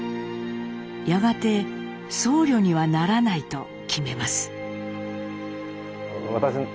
やがて僧侶にはならないと決めます。